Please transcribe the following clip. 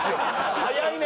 早いね！